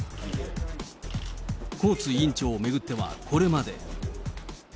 コーツ委員長を巡ってはこれまで。